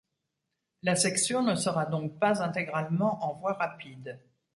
La section ne sera donc pas intégralement en voie rapide.